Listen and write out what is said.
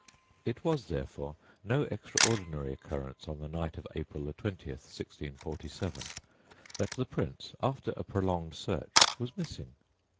It was, therefore, no extraordinary occurrence on the night of April 20th, 1647, that the Prince, after a prolonged search, was missing.